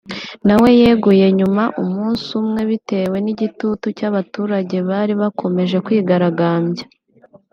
nawe yeguye nyuma umunsi umwe bitewe n’igitutu cy’abaturage bari bakomeje kwigaragarambya